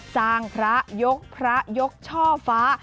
สร้างพระยกพระยกช่อฟ้า